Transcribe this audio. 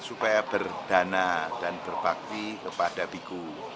supaya berdana dan berbakti kepada biku